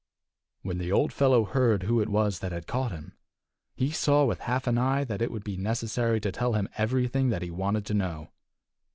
When the old fellow heard who it was that had caught him, he saw with half an eye that it would be necessary to tell him everything that he wanted to know.